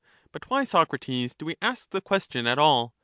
Pro. But why, Socrates, do we ask the question at all